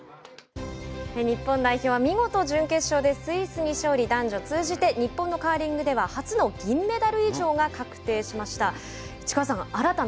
日本代表は見事準決勝でスイスに勝利男女通じて日本のカーリングでは初の銀メダル以上が確定しました。